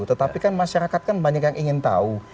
tetapi kan masyarakat kan banyak yang ingin tahu